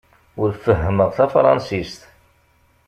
Ur fehhmeɣ tafṛensist.